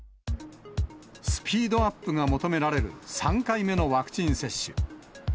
スピードアップが求められる３回目のワクチン接種。